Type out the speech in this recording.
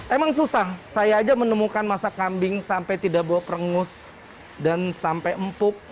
emang susah saya aja menemukan masak kambing sampai tidak bawa perengus dan sampai empuk